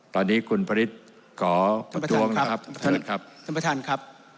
ตอนนี้คุณพระริษกลประทวงนะครับประถานครับท่านกิจครับท่านประถานครับ